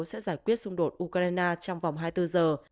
sẽ giải quyết xung đột ukraine trong vòng hai mươi bốn giờ